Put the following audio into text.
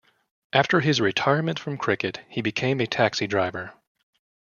After his retirement from cricket, he became a taxi driver.